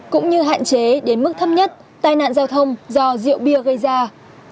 cũng như hạn chế đến mức thấm nhất tai nạn giao thông do rượu bia khi tham gia giao thông